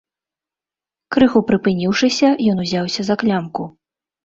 Крыху прыпыніўшыся, ён узяўся за клямку.